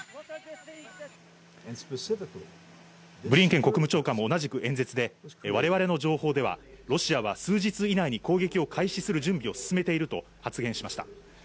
ブリンケン国務長官も同じく演説で、我々の情報ではロシアは数日以内に攻撃を開始する準備を進めていると発言しました。